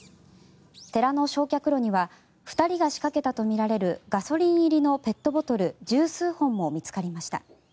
寺の焼却炉には２人が仕掛けたとみられるガソリン入りのペットボトル１０数本も見つかりました。